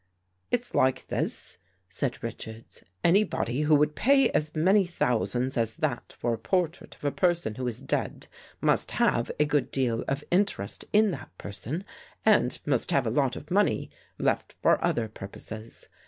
" It's like this," said Richards. " Anybody who would pay as many thousands as that for a portrait of a person who is dead, must have a good deal of interest in that person and must have a lot of money left for other purposes.